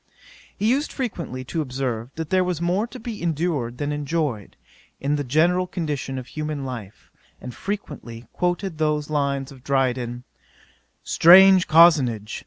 'He used frequently to observe, that there was more to be endured than enjoyed, in the general condition of human life; and frequently quoted those lines of Dryden: "Strange cozenage!